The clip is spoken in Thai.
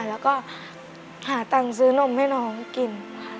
แล้วก็หาตังค์ซื้อนมให้น้องกิน